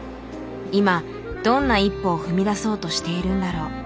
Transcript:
今どんな一歩を踏み出そうとしているんだろう。